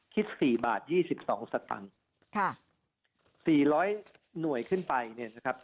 สี่บาทยี่สิบสองสตังค์ค่ะสี่ร้อยหน่วยขึ้นไปเนี่ยนะครับ